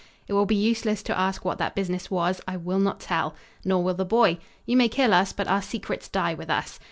It will be useless to ask what that business was. I will not tell. Nor will the boy. You may kill us, but our secrets die with us.